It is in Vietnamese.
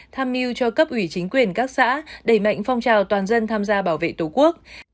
tham mưu cho cấp ủy chính quyền các xã đẩy mạnh phong trào toàn dân tham gia bảo vệ tổ quốc